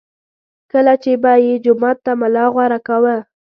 کله چې به یې جومات ته ملا غوره کاوه.